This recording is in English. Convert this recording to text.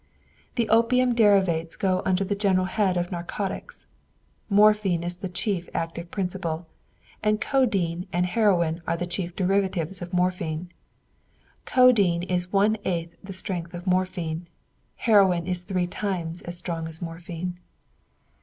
The opium derivatives go under the general head of narcotics. Morphine is the chief active principle, and codeine and heroin are the chief derivatives of morphine. Codeine is one eighth the strength of morphine; heroin is three times as strong as morphine.